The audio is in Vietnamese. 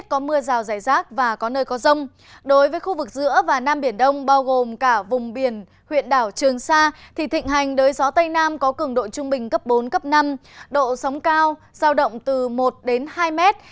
đối với khu vực giữa và nam biển đông bao gồm cả vùng biển huyện đảo trường sa thì thịnh hành đới gió tây nam có cường độ trung bình cấp bốn cấp năm độ sóng cao giao động từ một đến hai mét